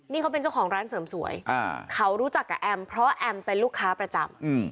นี่เขาเป็นเจ้าของร้านเสริมสวยเขารู้จักกับแอมเพราะแอมเป็นลูกค้าประจำ